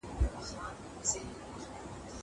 هغه وويل چي مځکه ارزښت لري!